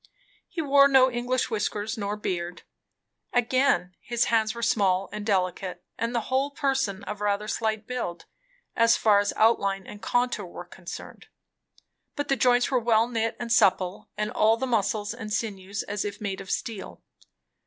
He wore no English whiskers nor beard. Again, his hands were small and delicate, and the whole person of rather slight build, as far as outline and contour were concerned; but the joints were well knit and supple, and all the muscles and sinews as if made of steel.